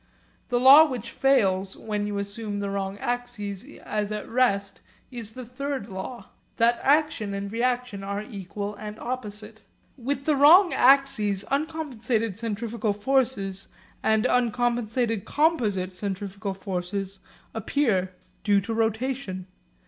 The law which fails when you assume the wrong axes as at rest is the third law, that action and reaction are equal and opposite. With the wrong axes uncompensated centrifugal forces and uncompensated composite centrifugal forces appear, due to rotation.